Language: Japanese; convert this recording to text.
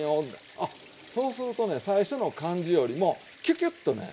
あっそうするとね最初の感じよりもキュキュッとね